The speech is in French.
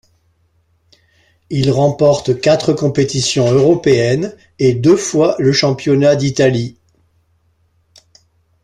Il remporte quatre compétitions européennes et deux fois le Championnat d'Italie.